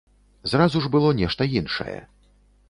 Зразу ж было нешта іншае.